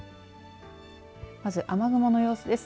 まず、雨雲の様子です。